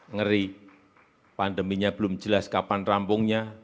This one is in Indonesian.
ngeri pandeminya belum jelas kapan rampungnya